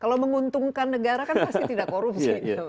kalau menguntungkan negara kan pasti tidak korupsi